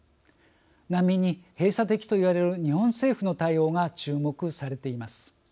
難民に閉鎖的と言われる日本政府の対応が注目されています。